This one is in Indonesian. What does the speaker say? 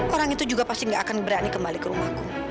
orang itu juga pasti gak akan berani kembali ke rumahku